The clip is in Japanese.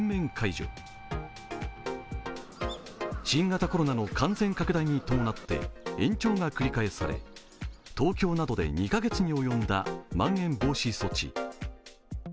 新型コロナの感染拡大に伴って延長が繰り返され、東京などで２カ月に及んだまん延防止措置。